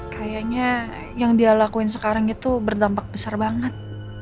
kayaknya yang dia lakuin sekarang itu berdampak besar banget